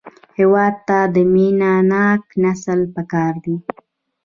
هېواد ته مینهناک نسل پکار دی